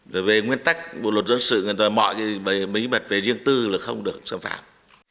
rồi về nguyên tắc bộ luật dân sự người ta mọi cái bí mật về riêng tư là không được xâm phạm